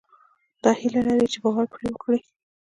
دا هيله لرئ چې باور پرې وکړئ.